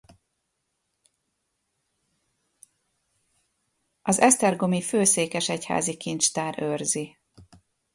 Az esztergomi Főszékesegyházi Kincstár őrzi.